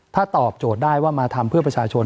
ถ้าตอบโจทย์ได้ว่ามาทำเพื่อประชาชน